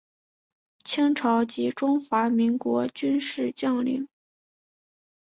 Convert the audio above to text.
清朝及中华民国军事将领。